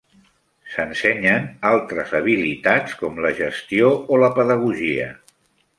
S'ensenyen altres habilitats, com la gestió o la pedagogia.